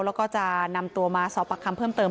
แล้วก็จะนำตัวมาสอบปากคำเพิ่มเติม